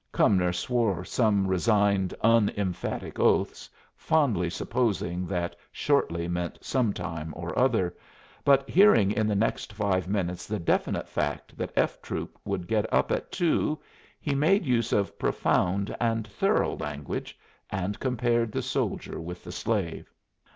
Cumnor swore some resigned, unemphatic oaths, fondly supposing that "shortly" meant some time or other; but hearing in the next five minutes the definite fact that F troop would get up at two, he made use of profound and thorough language, and compared the soldier with the slave.